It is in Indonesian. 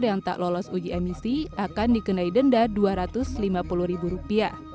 yang tak lolos uji emisi akan dikenai denda rp dua ratus lima puluh